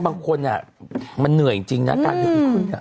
บางคนมันเหนื่อยจริงนะการดึงขึ้น